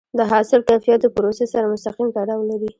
د حاصل کیفیت د پروسس سره مستقیم تړاو لري.